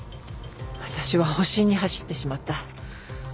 私は保身に走ってしまった。